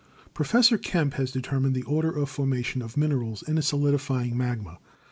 Prof. Kemp has determined the order of formation of minerals in a solidifying magma.